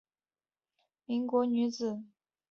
同时她也是民国初年女子地位提升的代表人物之一。